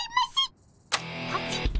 ポチッ。